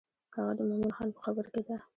هغه د مومن خان په قبر کې ده.